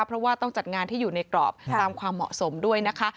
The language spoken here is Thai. เพราะว่าต้องจัดงานที่อยู่ในกรอบตามความเหมาะสมด้วยนะคะ